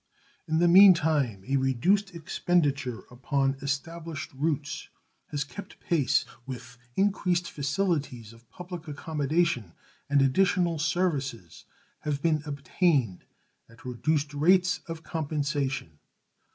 In the mean time a reduced expenditure upon established routes has kept pace with increased facilities of public accommodation and additional services have been obtained at reduced rates of compensation.